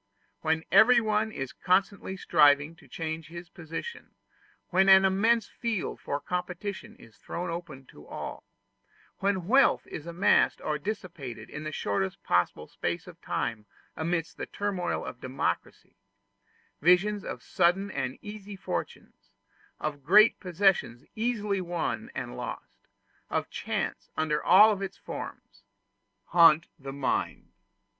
When everyone is constantly striving to change his position when an immense field for competition is thrown open to all when wealth is amassed or dissipated in the shortest possible space of time amidst the turmoil of democracy, visions of sudden and easy fortunes of great possessions easily won and lost of chance, under all its forms haunt the mind.